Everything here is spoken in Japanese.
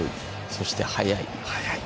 そして速い。